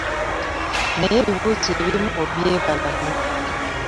Naye ebibuuzo ebimu obyebalamye.